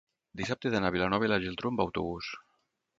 dissabte he d'anar a Vilanova i la Geltrú amb autobús.